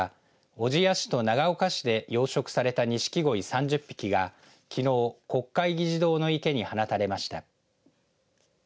小千谷市と長岡市で養殖されたにしきごい３０匹がきのう国会議事堂の池に放たれました。